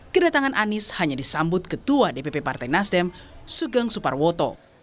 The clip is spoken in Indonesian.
kedatangan anies hanya disambut ketua dpp partai nasdem sugeng suparwoto